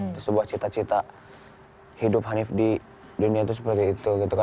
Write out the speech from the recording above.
itu sebuah cita cita hidup hanif di dunia itu seperti itu